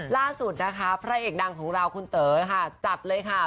ล่าสุดนะคะพระเอกดังของเราคุณเต๋อค่ะจัดเลยค่ะ